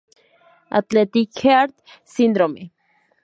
Athletic Heart Syndrome.